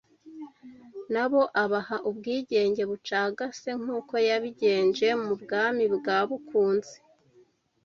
nabo abaha ubwigenge bucagase nk’uko yabigenje mu bwami bwa Bukunzi